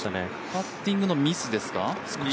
パッティングのミスですか。